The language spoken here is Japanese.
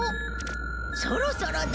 そろそろだ。